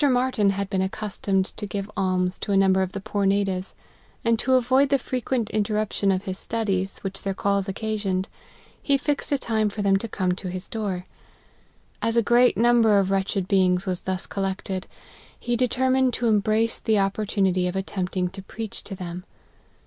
MARTYN had been accustomed to give alms to a number of the poor natives ; and to avoid the frequent interruption of his studies, which their calls occasioned, he fixed a time for them to come to his door. As a great number of wretched be ings was thus collected, he determined to embrace the opportunity of attempting to preach to them.